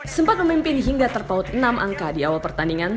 sempat memimpin hingga terpaut enam angka di awal pertandingan